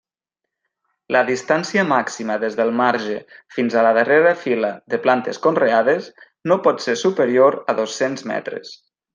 La distància màxima des del marge fins a la darrera fila de plantes conreades no pot ser superior a dos-cents metres.